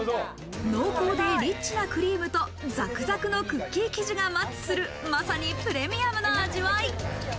濃厚でリッチなクリームと、ザクザクのクッキー生地がマッチする、まさにプレミアムな味わい。